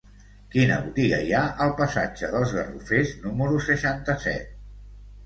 Quina botiga hi ha al passatge dels Garrofers número seixanta-set?